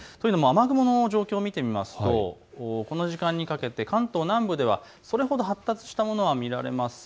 雨雲の状況を見てみますとこの時間にかけて関東南部ではそれほど発達したものは見られません。